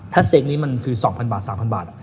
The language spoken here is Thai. ถ้าเซคนี้มันคือ๒๐๐บาท๓๐๐บาท